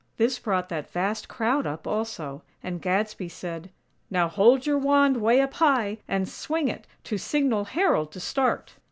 This brought that vast crowd up, also; and Gadsby said: "Now hold your wand way up high, and swing it, to signal Harold to start."